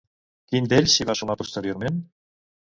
Quin d'ells s'hi va sumar posteriorment?